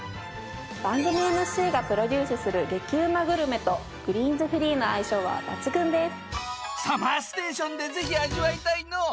番組ＭＣがプロデュースする激うまグルメとグリーンズフリーの相性は抜群です。